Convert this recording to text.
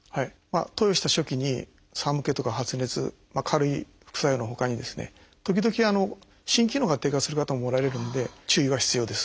投与した初期に寒気とか発熱軽い副作用のほかに時々心機能が低下する方もおられるんで注意が必要です。